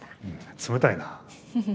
冷たいな。